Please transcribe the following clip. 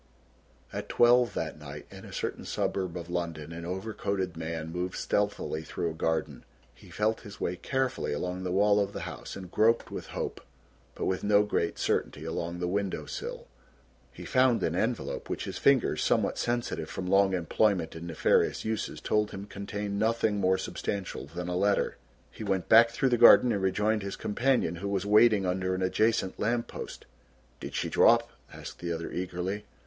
At twelve that night in a certain suburb of London an overcoated man moved stealthily through a garden. He felt his way carefully along the wall of the house and groped with hope, but with no great certainty, along the window sill. He found an envelope which his fingers, somewhat sensitive from long employment in nefarious uses, told him contained nothing more substantial than a letter. He went back through the garden and rejoined his companion, who was waiting under an adjacent lamp post. "Did she drop?" asked the other eagerly.